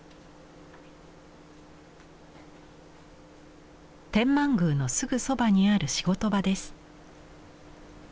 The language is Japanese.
天満宮のすぐそばにある仕事場です。